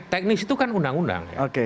teknis itu kan undang undang